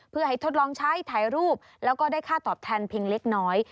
เพื่อให้ทดลองใช้ถ่ายรูปแล้วก็ได้ค่าตอบแทนเพียงเล็กน้อย